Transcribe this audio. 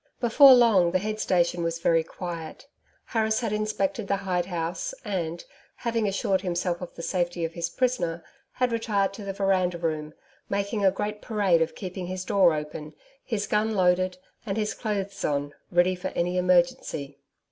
Before long the head station was very quiet. Harris had inspected the hide house and, having assured himself of the safety of his prisoner, had retired to the veranda room, making a great parade of keeping his door open, his gun loaded, and his clothes on, ready for any emergency.